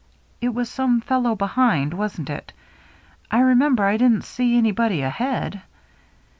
It was some fellow behind, wasn't it ? I remember I didn't see anybody ahead."